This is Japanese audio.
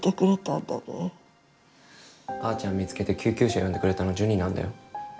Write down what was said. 見つけて救急車呼んでくれたのジュニなんだよ。